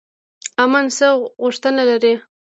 امن څه غوښتنه لري؟